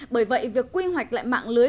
bởi vậy việc quy hoạch lại mạng lưới